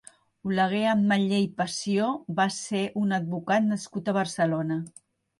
Oleguer Ametller i Pessió va ser un advocat nascut a Barcelona.